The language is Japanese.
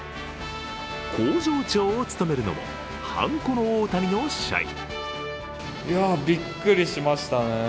工場長を務めるのは、はんこの大谷の社員。